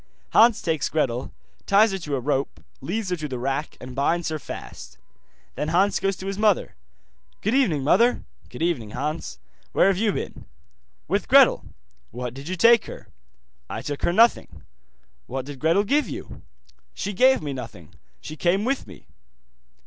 Hans takes Gretel, ties her to a rope, leads her to the rack, and binds her fast. Then Hans goes to his mother. 'Good evening, mother.' 'Good evening, Hans. Where have you been?' 'With Gretel.' 'What did you take her?' 'I took her nothing.' 'What did Gretel give you?' 'She gave me nothing, she came with me.